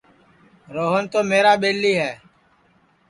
روہن تو میرا ٻیلی ہے